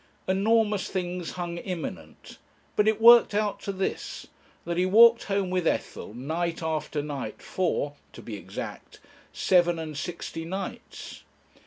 Enormous things hung imminent, but it worked out to this, that he walked home with Ethel night after night for to be exact seven and sixty nights.